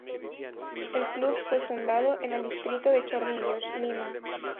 El club fue fundado en el distrito de Chorrillos, Lima.